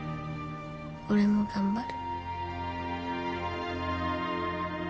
俺も頑張る。